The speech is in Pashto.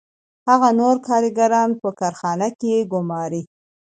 هغه نور کارګران په کارخانه کې ګوماري